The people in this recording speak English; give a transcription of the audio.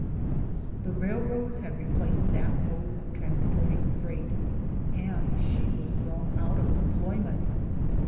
The rail . roads had replaced that mode of transporting freight, and she was thrown out of employment.